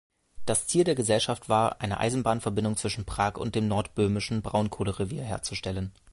Das Ziel der Gesellschaft war, eine Eisenbahnverbindung zwischen Prag und dem nordböhmischen Braunkohlerevier herzustellen.